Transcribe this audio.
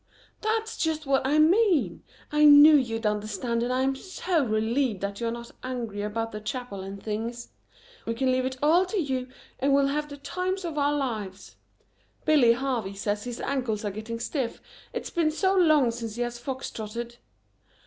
"That's just what I mean. I knew you'd understand and I am so relieved that you are not angry about the chapel and things. We can leave it all to you and we'll have the times of our lives. Billy Harvey says his ankles are getting stiff, it's been so long since he has fox trotted.